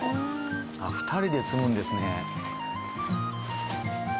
２人で摘むんですね。